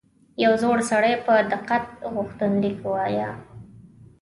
یو زوړ سړي په دقت غوښتنلیک وایه.